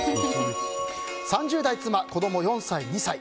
３０代妻、子供４歳、２歳。